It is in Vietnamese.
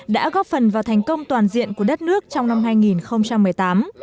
đã góp phần vào thành công toàn diện của đất nước trong năm hai nghìn một mươi tám